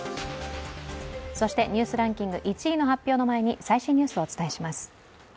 そして「ニュースランキング」１位の発表の前に最新ニュースをお伝えします。